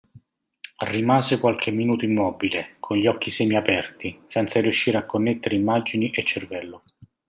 Rimase qualche minuto immobile, con gli occhi semiaperti, senza riuscire a connettere immagini e cervello.